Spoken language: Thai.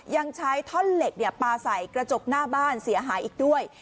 ยังใช้ท่อนเหล็กปลาใส่กระจกหน้าบ้านเสียหายอีกด้วย